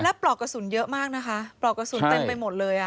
แล้วปลอกกระสุนเยอะมากนะคะปลอกกระสุนเต็มไปหมดเลยอ่ะ